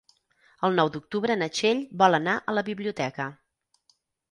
El nou d'octubre na Txell vol anar a la biblioteca.